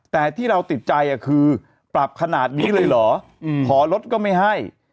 แต่ที่เราติดใจคือปรับขนาดนี้เลยเหรอขอรถก็ไม่ให้